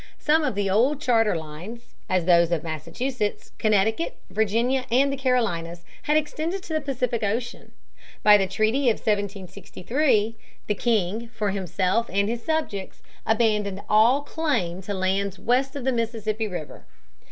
Some of the old charter lines, as those of Massachusetts, Connecticut, Virginia, and the Carolinas had extended to the Pacific Ocean. By the treaty of 1763 (p. 69) the king, for himself and his subjects, abandoned all claim to lands west of Mississippi River.